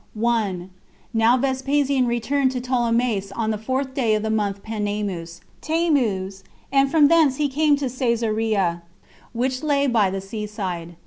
1. Now Vespasian returned to Ptolemais on the fourth day of the month Panemus, [Tamus] and from thence he came to Cesarea, which lay by the sea side.